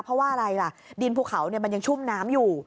เพราะว่าอะไรล่ะดินภูเขามันยังชุ่มน้ำอยู่